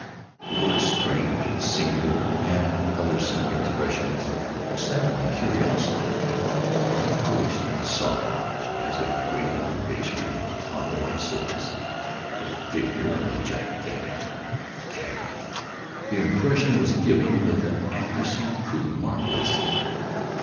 The words "strange!" "singular!" and other similar expressions, excited my curiosity. I approached and saw, as if graven in bas relief upon the white surface, the figure of a gigantic cat. The impression was given with an accuracy truly marvellous.